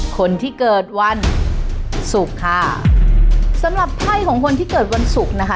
คนที่เกิดวันศุกร์ค่ะสำหรับไพ่ของคนที่เกิดวันศุกร์นะคะ